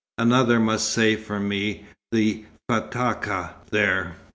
Another must say for me the Fatakah there.